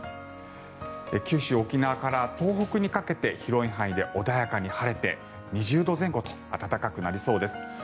九州、沖縄から東北にかけて広い範囲で穏やかに晴れて２０度前後と暖かくなりそうです。